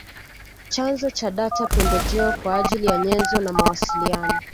Chanzo cha data pembejeo kwa ajili ya nyenzo na mawasiliano